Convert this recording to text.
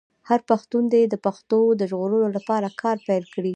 هر پښتون دې د پښتو د ژغورلو لپاره کار پیل کړي.